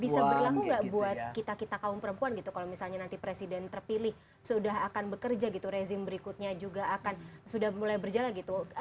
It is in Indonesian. bisa berlaku nggak buat kita kita kaum perempuan gitu kalau misalnya nanti presiden terpilih sudah akan bekerja gitu rezim berikutnya juga akan sudah mulai berjalan gitu